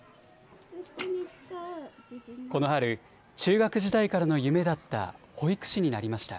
この春、中学時代からの夢だった保育士になりました。